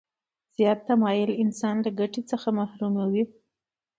زیات تماعل انسان له ګټې څخه محروموي.